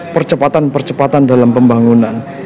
percepatan percepatan dalam pembangunan